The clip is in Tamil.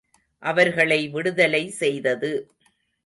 அவர்களை விடுதலை செய்தது.